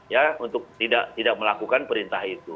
ya untuk tidak melakukan perintah itu